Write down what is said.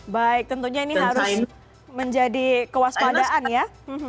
baik tentunya ini harus menjadi kewaspadaan ya